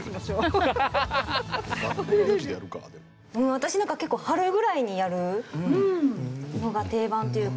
私なんか結構春ぐらいにやるのが定番というか。